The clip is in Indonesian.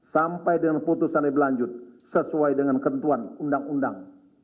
sampai dengan putusannya berlanjut sesuai dengan kentuan undang undang